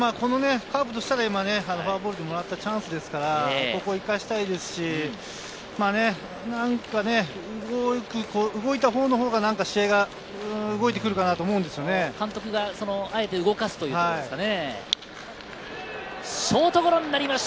カープとしてはフォアボールでもらったチャンスですからここを生かしたいですし、動いたほうが試合が動いてるかなと思い監督があえて動かすということでしょうか？